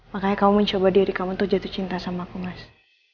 makanya kamu mencoba diri kamu untuk jatuh cinta sama aku mas